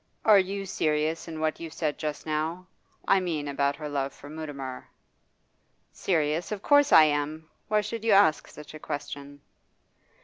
'Are you serious in what you said just now? I mean about her love for Mutimer?' 'Serious? Of course I am. Why should you ask such a question?